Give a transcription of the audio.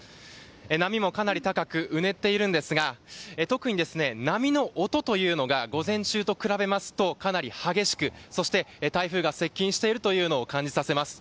波もかなり高くうねっていますが特に波の音というのが午前中と比べますとかなり激しく、そして台風が接近しているというのを感じさせます。